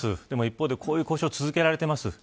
でも一方で、こういう交渉が続けられています。